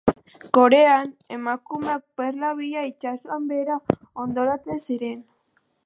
Korean emakumeak perla bila itsasoan behera hondoratzen ziren.